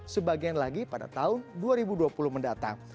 sebagian lagi pada tahun dua ribu dua puluh mendatang